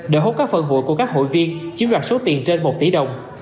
đỡ hốt các phần hủy của các hủy viên chiếm đoạt số tiền trên một tỷ đồng